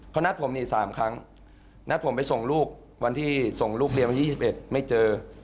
เขานัดผมนี่๓ครั้งนัดผมไปส่งลูกวันที่ส่งลูกเรียนวันที่๒๑ไม่เจอ